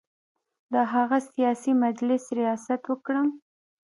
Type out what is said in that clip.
د هغه سیاسي مجلس ریاست وکړم.